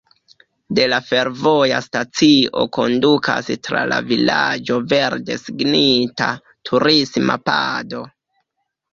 De la fervoja stacio kondukas tra la vilaĝo verde signita turisma pado.